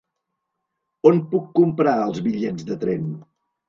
On puc comprar els bitllets de tren?